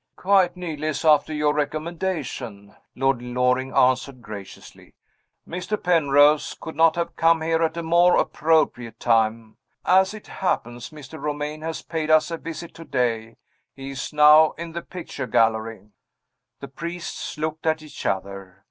"Quite needless, after your recommendation," Lord Loring answered, graciously. "Mr. Penrose could not have come here at a more appropriate time. As it happens, Mr. Romayne has paid us a visit today he is now in the picture gallery." The priests looked at each other.